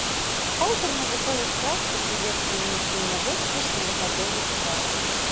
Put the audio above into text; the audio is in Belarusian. Аўтар навуковых прац па селекцыі і насенняводству шматгадовых траў.